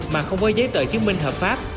mà không có giấy tờ chứng minh hợp pháp